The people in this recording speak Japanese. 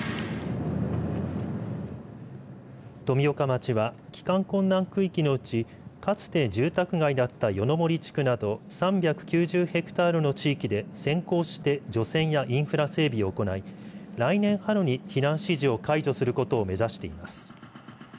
富岡町は、帰還困難区域のうちかつて住宅街だった夜の森地区など３９０ヘクタールの地域で先行して除染やインフラ整備を行い来年春に避難指示を解除することを目指しています。